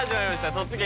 「突撃！